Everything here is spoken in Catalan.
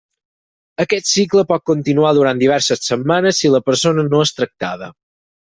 Aquest cicle pot continuar durant diverses setmanes si la persona no és tractada.